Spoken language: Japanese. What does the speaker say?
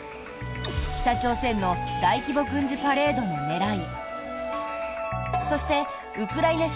北朝鮮の大規模軍事パレードの狙い。